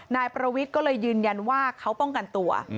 นายประวิทย์ก็เลยยืนยันว่าเขาป้องกันตัว